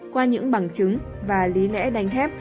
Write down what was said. qua những bằng chứng và lý lẽ đánh thép